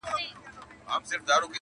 ماته شجره یې د نژاد او نصب مه راوړئ,